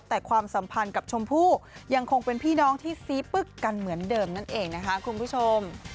แต่ความสัมพันธ์กับชมพู่ยังคงเป็นพี่น้องที่ซี้ปึ๊กกันเหมือนเดิมนั่นเองนะคะคุณผู้ชม